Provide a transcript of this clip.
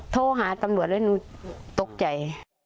โทรหาตำรวจแล้วหนูตกใจ